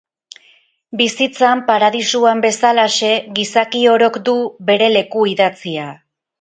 Bizitzan, Paradisuan bezalaxe, gizaki orok du bere leku idatzia.